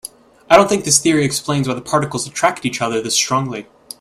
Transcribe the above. I don't think this theory explains why the particles attract each other this strongly.